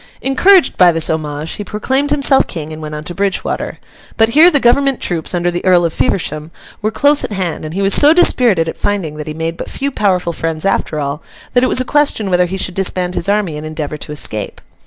Encouraged by this homage, he proclaimed himself King, and went on to Bridgewater. But, here the Government troops, under the Earl of Feversham, were close at hand; and he was so dispirited at finding that he made but few powerful friends after all, that it was a question whether he should disband his army and endeavour to escape.